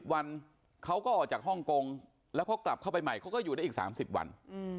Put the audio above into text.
วันเขาก็ออกจากฮ่องกงแล้วพอกลับเข้าไปใหม่เขาก็อยู่ได้อีก๓๐วัน